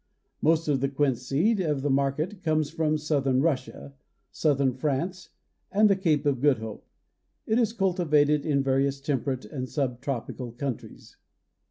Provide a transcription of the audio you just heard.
Most of the quince seed of the market comes from southern Russia, southern France and the Cape of Good Hope. It is cultivated in various temperate and subtropical countries.